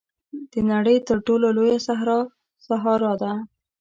د نړۍ تر ټولو لویه صحرا سهارا ده.